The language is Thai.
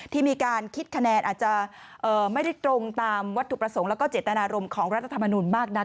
ที่มีการคิดคะแนนอาจจะไม่ได้ตรงตามวัตถุประสงค์แล้วก็เจตนารมณ์ของรัฐธรรมนุนมากนัก